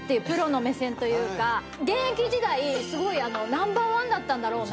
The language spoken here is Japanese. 現役時代ナンバーワンだったんだろうなっていう。